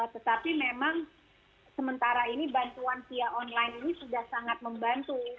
tetapi memang sementara ini bantuan via online ini sudah sangat membantu